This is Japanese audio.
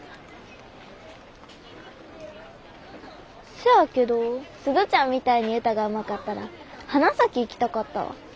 せやけど鈴ちゃんみたいに歌がうまかったら花咲行きたかったわ。